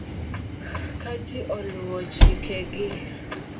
Ka ji oluwo chikeg